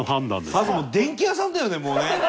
伊達：電気屋さんだよね。